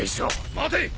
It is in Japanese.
待て！